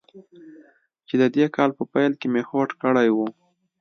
چې د دې کال په پیل کې مې هوډ کړی و.